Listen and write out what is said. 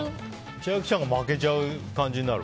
千秋さんが負けちゃう感じになる？